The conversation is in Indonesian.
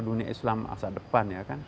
dunia islam asal depan